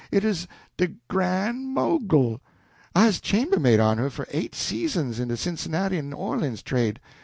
It 'uz de Gran' Mogul I 'uz chambermaid on her for eight seasons in de Cincinnati en Orleans trade.